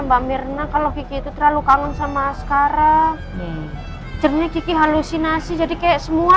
mbak mirna kalau begitu terlalu kangen sama sekarang jernih halusinasi jadi kayak semua